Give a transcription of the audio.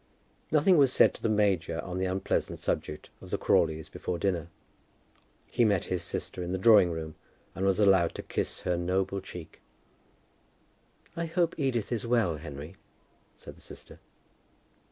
Nothing was said to the major on the unpleasant subject of the Crawleys before dinner. He met his sister in the drawing room, and was allowed to kiss her noble cheek. "I hope Edith is well, Henry," said the sister.